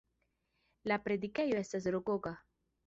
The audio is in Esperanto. La predikejo estas rokoka.